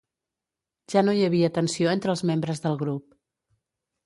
Ja no hi havia tensió entre els membres del grup.